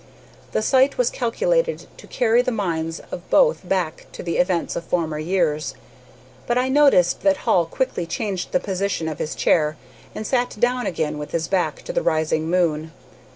The sight was calculated to carry the minds of both back to the events of former years. But I noticed that Hall quickly changed the position of his chair, and sat down again with his back to the rising moon.